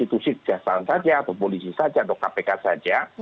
tidak bisa diselesaikan oleh satu institusi kejaksaan saja atau polisi saja atau kpk saja